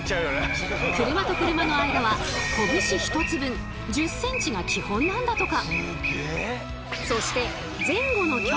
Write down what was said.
車と車の間は拳ひとつ分１０ｃｍが基本なんだとか。